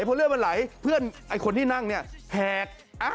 เพราะเลือดมันไหลเพื่อนไอ้คนที่นั่งเนี่ยแหก